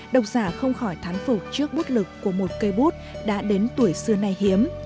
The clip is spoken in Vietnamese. độc giả không khỏi thán phục trước bút lực của một cây bút đã đến tuổi xưa nay hiếm